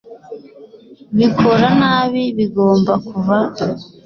bikora nabi bigomba kuvaho